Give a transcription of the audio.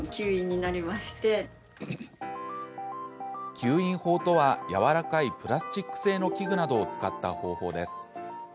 吸引法とは、やわらかいプラスチック製の器具などを使った方法です。